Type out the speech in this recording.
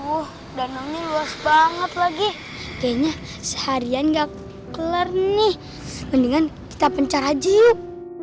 uh danangnya luas banget lagi kayaknya seharian gak keler nih mendingan kita pencar aja yuk